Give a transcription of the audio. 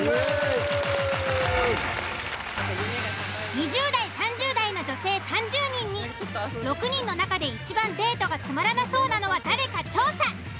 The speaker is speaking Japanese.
２０代・３０代の女性３０人に６人の中でいちばんデートがつまらなそうなのは誰か調査。